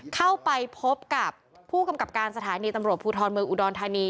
เข้าไปพบกับผู้กำกับการสถานีตำรวจภูทรเมืองอุดรธานี